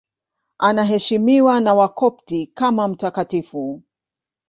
Anaheshimiwa na Wakopti kama mtakatifu.